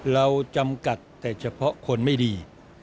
เราจำกัดแต่เฉพาะคนไม่ดี